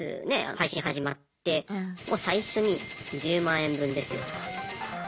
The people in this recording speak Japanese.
配信始まってもう最初に１０万円分ですよ。